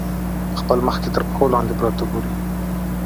په خپل مخ کې تر پښو لاندې پراته ګوري.